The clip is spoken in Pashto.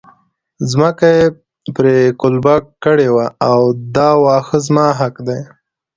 ځمکه یې پرې قلبه کړې وه دا واښه زما حق دی.